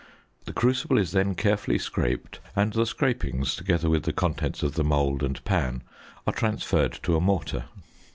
The crucible is then carefully scraped, and the scrapings, together with the contents of the mould and pan, are transferred to a mortar.